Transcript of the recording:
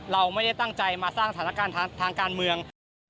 เราไม่ได้ตั้งใจมาสร้างสถานการณ์ทางการเมืองนะครับ